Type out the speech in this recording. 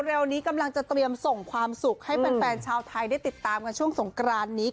เร็วนี้กำลังจะเตรียมส่งความสุขให้แฟนชาวไทยได้ติดตามกันช่วงสงกรานนี้